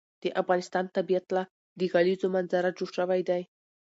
د افغانستان طبیعت له د کلیزو منظره څخه جوړ شوی دی.